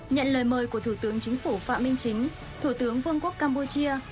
nhận lời mời của thủ tướng chính phủ phạm minh chính thủ tướng vương quốc campuchia